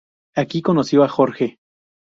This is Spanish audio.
Aquí, conoció a Jorge.